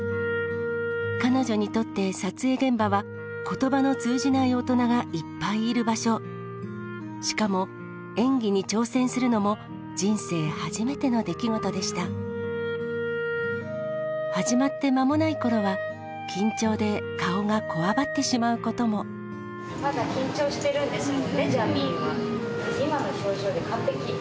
彼女にとって撮影現場は言葉の通じない大人がいっぱいいる場所しかも演技に挑戦するのも人生初めての出来事でした始まって間もない頃は緊張で顔がこわばってしまうこともはたまた日本のありました